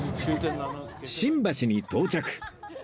新橋に到着